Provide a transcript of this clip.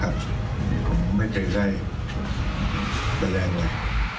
ผมไม่เคยได้แบบแรงอะไร